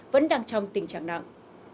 vẫn đang trong tình trạng nặng